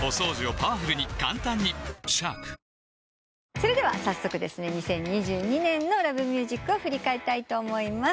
それでは早速２０２２年の『Ｌｏｖｅｍｕｓｉｃ』を振り返りたいと思います。